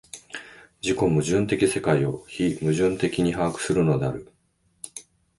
自己矛盾的世界を非矛盾的に把握するのである。